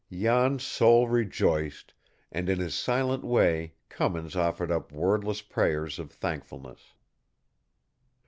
Jan's soul rejoiced, and in his silent way Cummins offered up wordless prayers of thankfulness.